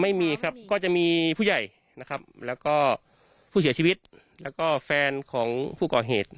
ไม่มีครับก็จะมีผู้ใหญ่นะครับแล้วก็ผู้เสียชีวิตแล้วก็แฟนของผู้ก่อเหตุ